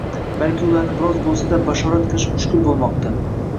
balki ularni biroz bo‘lsa-da bashorat qilish mushkul bo‘lmoqda.